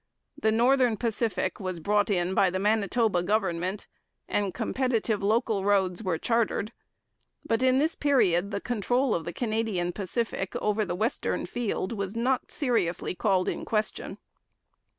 The Northern Pacific was brought in by the Manitoba government, and competitive local roads were chartered, but in this period the control of the Canadian Pacific over the western field was not seriously called in question.